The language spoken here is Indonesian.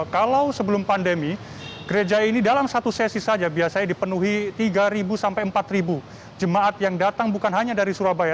kalau sebelum pandemi gereja ini dalam satu sesi saja biasanya dipenuhi tiga sampai empat jemaat yang datang bukan hanya dari surabaya